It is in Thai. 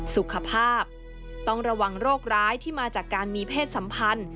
สุขภาพต้องระวังโรคร้ายที่มาจากการมีเพศสัมพันธ์